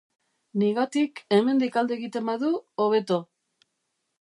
Nigatik hemendik alde egiten badu, hobeto!